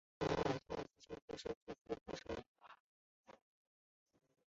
马哈茂德帕夏及其兄弟的祖父是或者。